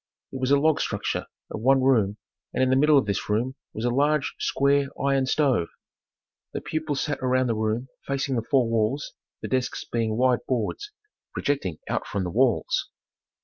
It was a log structure of one room, and in the middle of this room was a large, square, iron stove. The pupils sat around the room facing the four walls, the desks being wide boards, projecting out from the walls.